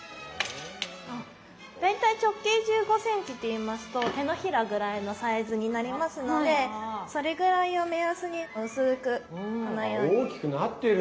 大体直径１５ｃｍっていいますと手のひらぐらいのサイズになりますのでそれぐらいを目安に薄くこのように。大きくなってる。